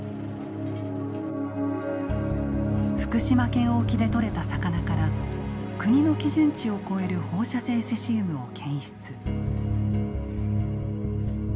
福島県沖で取れた魚から国の基準値を超える放射性セシウムを検出。